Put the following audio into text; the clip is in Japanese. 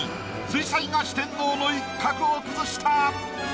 水彩画四天王の一角を崩した。